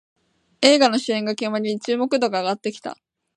映画の主演が決まり注目度が上がってきた